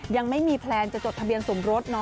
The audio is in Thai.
ยังไม่มีแพลนจะจดทะเบียนสมรส